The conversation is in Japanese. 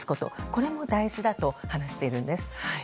これも大事だと話しているんです。